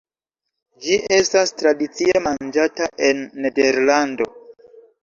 Ĝi estas tradicie manĝata en Nederlando.